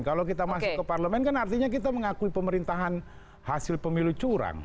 kalau kita masuk ke parlemen kan artinya kita mengakui pemerintahan hasil pemilu curang